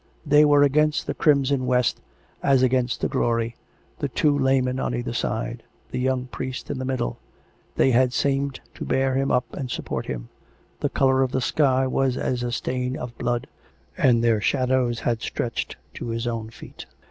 They were against the crimson west, as against a glory, the two laymen on either side, the young priest in the middle. ... They had seemed to bear him up and support him; the colour of the sky was as a stain of blood; and their shadows had stretched to his own feet.